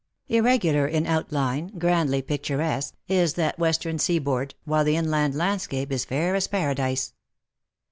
Irregular in outline, grandly picturesque, is that western seaboard, while the inland landscape is fair as paradise.